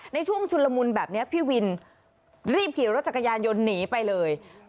ในช่วงชุนละมุนแบบนี้พี่วินรีบขี่รถจักรยานยนต์หนีไปเลย